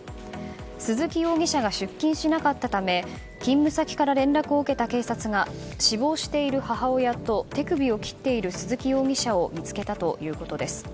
鈴木容疑者が出勤しなかったため勤務先から連絡を受けた警察が死亡している母親と手首を切っている鈴木容疑者を見つけたということです。